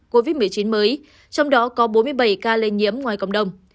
covid một mươi chín mới trong đó có bốn mươi bảy ca lây nhiễm ngoài cộng đồng